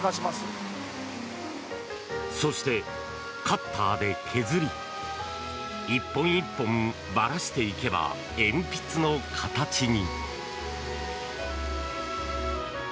そして、カッターで削り１本１本ばらしていけば鉛筆の形に。